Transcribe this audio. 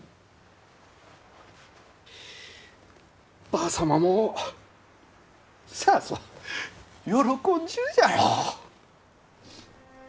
ばあ様もさぞ喜んじゅうじゃろう。